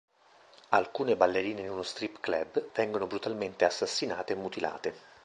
Alcune ballerine in uno strip club vengono brutalmente assassinate e mutilate.